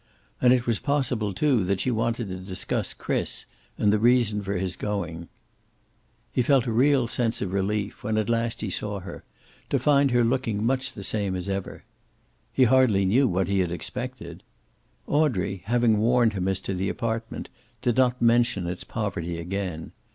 And it was possible, too, that she wanted to discuss Chris, and the reason for his going. He felt a real sense of relief, when at last he saw her, to find her looking much the same as ever. He hardly knew what he had expected. Audrey, having warned him as to the apartment, did not mention its poverty again.